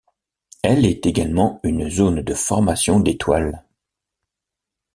Elle est également une zone de formation d'étoiles.